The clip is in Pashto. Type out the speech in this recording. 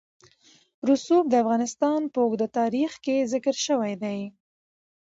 رسوب د افغانستان په اوږده تاریخ کې ذکر شوی دی.